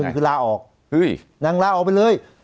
คือลาออกนั่งลาออกไปเลย